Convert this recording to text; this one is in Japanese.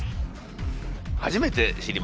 初めて知りました。